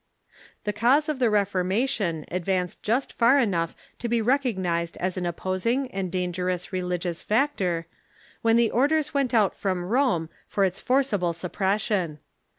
The cause of the Reformation advanced just far enough to be recoo nized as an opposing and dangerous religious factor, when the orders went out from Rome for its forcible suppres sion.